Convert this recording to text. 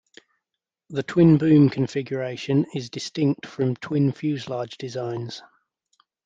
The twin-boom configuration is distinct from twin-fuselage designs.